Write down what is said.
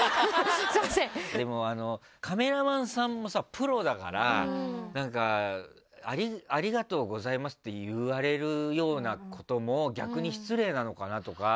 でもカメラマンさんもプロだからありがとうございますって言われるのも逆に失礼なのかなとか。